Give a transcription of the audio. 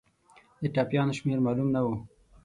د ټپیانو شمېر معلوم نه وو.